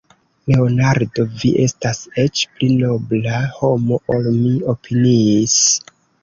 Leonardo, vi estas eĉ pli nobla homo, ol mi opiniis.